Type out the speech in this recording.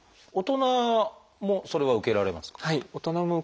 大人もそれは受けられますか？